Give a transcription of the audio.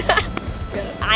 gak ada basa basa